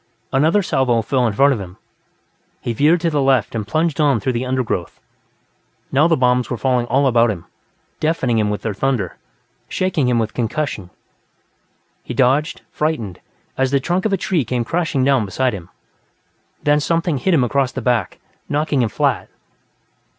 Another salvo fell in front of him; he veered to the left and plunged on through the undergrowth. Now the bombs were falling all about him, deafening him with their thunder, shaking him with concussion. He dodged, frightened, as the trunk of a tree came crashing down beside him. Then something hit him across the back, knocking him flat.